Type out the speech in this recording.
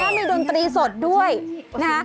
แล้วมีดนตรีสดด้วยนะ